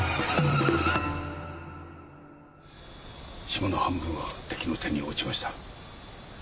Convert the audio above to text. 島の半分は敵の手に落ちました。